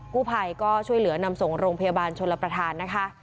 กู้ภัยก็ช่วยเหลือนำส่งโรงพยาบาลชนรับประทานนะคะ